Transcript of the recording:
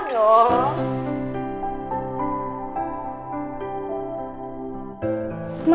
gak ada apa apa